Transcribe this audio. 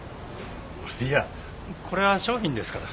いやこれは商品ですから。